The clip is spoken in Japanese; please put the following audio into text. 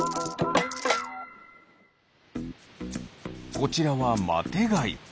こちらはマテガイ。